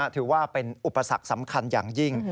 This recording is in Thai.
ถือว่าเป็นอุปสรรคสำคัญอย่างยิ่ง